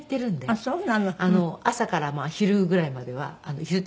あっそうなの。